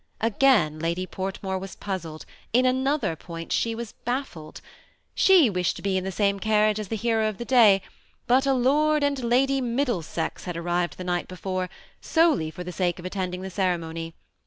Again, Lady Portmore was puzzled, — in another point she was haffled. She wished to be in the same car riage as the hero of the day, but a Lord and Lady Mid dlesex had arrived the night before, solely for the sake of attending the ceremony.